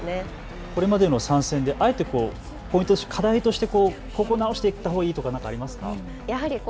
これまでの３戦であえて課題としてここを直していったほうがいい、何かありますか。